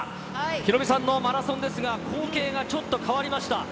ヒロミさんのマラソンですが、光景がちょっと変わりました。